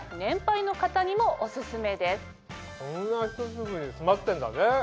こんなひと粒に詰まってんだね。